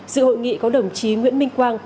dự hội nghị có đồng chí nguyễn minh quang